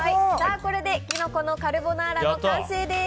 これでキノコのカルボナーラ完成です。